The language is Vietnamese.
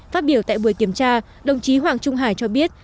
phát biểu tại buổi kiểm tra đồng chí hoàng trung hải cho biết